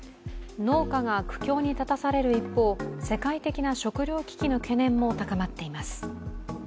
農家が苦境に立たされる一方、世界的な食糧危機の懸念も高まっています。